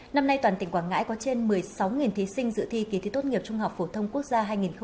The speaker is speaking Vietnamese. năm nay toàn tỉnh quảng ngãi có trên một mươi sáu thí sinh dự thi kỳ thi tốt nghiệp trung học phổ thông quốc gia hai nghìn hai mươi